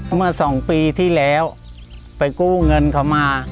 เมื่อสองปีที่แล้วไปกู้เงินเขามา